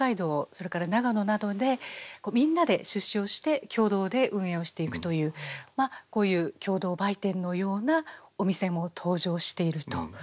それから長野などでみんなで出資をして共同で運営をしていくというまあこういう共同売店のようなお店も登場しているということなんですね。